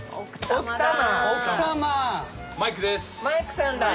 マイクです。